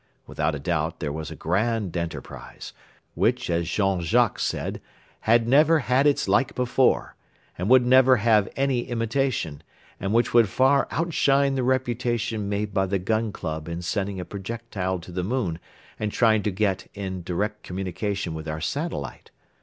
Without a doubt there was a grand enterprise, which, as Jean Jacques said, has never had its like before, and would never have any imitation, and which would far outshine the reputation made by the Gun Club in sending a projectile to the moon and trying to get in direct communication with our satellite.